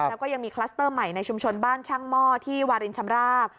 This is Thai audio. แล้วก็ยังมีคลัสเตอร์ใหม่ในชุมชนบ้านช่างหม้อที่วารินชำราบ